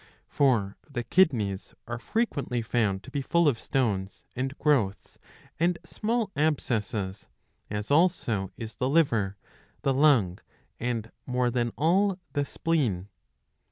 For the kidneys are frequently found to be full of stones, and growths, and small abscesses, as also is 'the liver, the lung, and more than all the spleen.